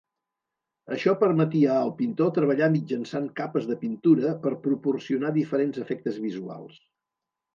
Això permetia al pintor treballar mitjançant capes de pintura per proporcionar diferents efectes visuals.